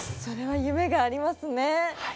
それはゆめがありますね！